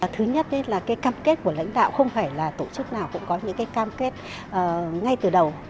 thứ nhất là cái cam kết của lãnh đạo không phải là tổ chức nào cũng có những cái cam kết ngay từ đầu